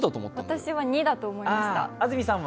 私は２だと思いました。